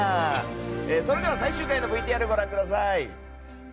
それでは最終回のＶＴＲご覧ください。